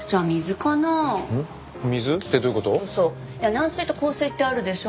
軟水と硬水ってあるでしょ。